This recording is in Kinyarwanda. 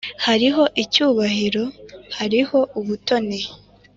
hariho icyubahiro hariho ubutoni